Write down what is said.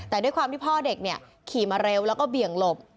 แต่ด้วยความที่พ่อเด็กขี่มาเร็วแล้วก็เบี่ยงหลบ